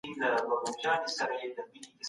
مسافري ډېره سخته وي.